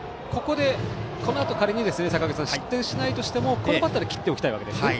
このあと仮に、坂口さん失点しないとしてもこのバッターで切っておきたいわけですね。